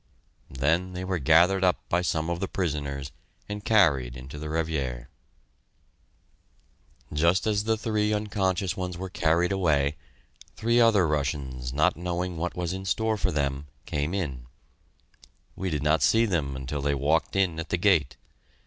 Then they were gathered up by some of the prisoners, and carried into the Revier. Just as the three unconscious ones were carried away, three other Russians, not knowing what was in store for them, came in. We did not see them until they walked in at the gate.